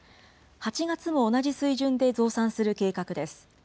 ８月も同じ水準で増産する計画です。